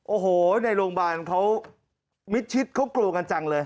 โอ้โหในโรงพยาบาลเขามิดชิดเขากลัวกันจังเลย